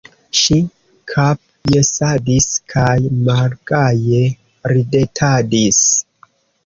Ŝi kapjesadis kaj malgaje ridetadis.